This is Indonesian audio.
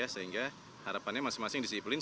sehingga harapannya masing masing disiplin